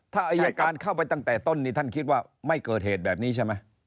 ถ้าอายการเข้าไปตั้งแต่ต้นนี่ท่านคิดว่าไม่เกิดเหตุแบบนี้ใช่ไหม